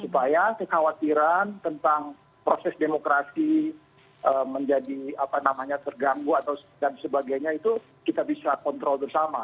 supaya kekhawatiran tentang proses demokrasi menjadi apa namanya terganggu dan sebagainya itu kita bisa kontrol bersama